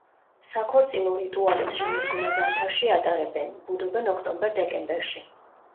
საქორწილო რიტუალებს შემოდგომა–ზამთარში ატარებენ, ბუდობენ ოქტომბერ–დეკემბერში.